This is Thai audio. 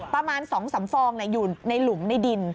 ประมาณ๒๓ฟองอยู่ในหลุมในดิน